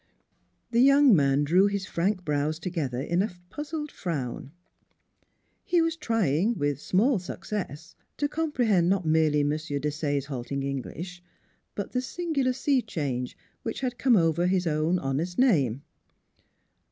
The young man drew his frank brows together in a puzzled frown. He was trying, with small success, to comprehend not merely M. Desaye's halting English, but the singular sea change which had come over his own honest name.